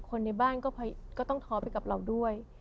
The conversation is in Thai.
คนในบ้านก็ต้องท้อไปกับเราด้วย